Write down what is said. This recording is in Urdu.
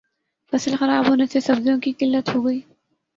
فصل خراب ہونے سے سبزیوں کی قلت ہوگئی